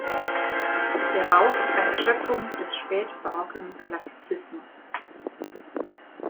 Der Bau ist eine Schöpfung des spätbarocken Klassizismus'.